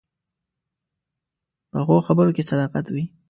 پخو خبرو کې صداقت وي